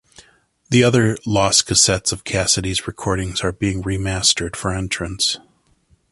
Two other lost cassettes of Cassidy's recordings are being remastered for entrance.